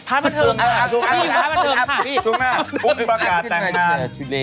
พักไปเถิงค่ะจุ่งพี่พักไปเถิงค่ะพี่